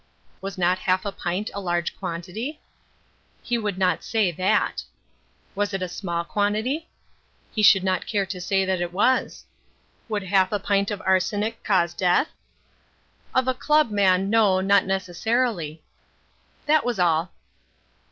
Was not half a pint a large quantity? He would not say that. Was it a small quantity? He should not care to say that it was. Would half a pint of arsenic cause death? Of a club man, no, not necessarily. That was all.